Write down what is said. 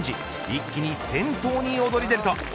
一気に先頭に躍り出ると。